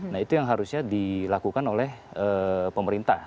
nah itu yang harusnya dilakukan oleh pemerintah